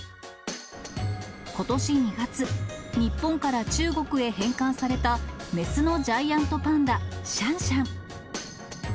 ことし２月、日本から中国へ返還された雌のジャイアントパンダ、シャンシャン。